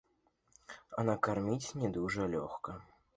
А накарміць не дужа лёгка.